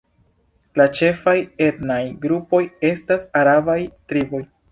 La ĉefaj etnaj grupoj estas arabaj triboj.